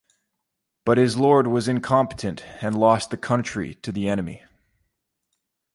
But his Lord was incompetent and lost the country to the enemy.